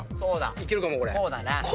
いけるかもこれ。